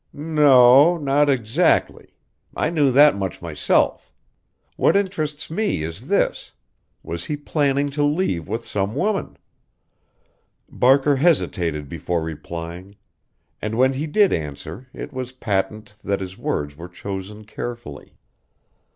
"No o, not exactly. I knew that much myself. What interests me is this was he planning to leave with some woman?" Barker hesitated before replying, and when he did answer it was patent that his words were chosen carefully.